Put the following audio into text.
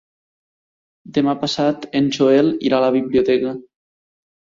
Demà passat en Joel irà a la biblioteca.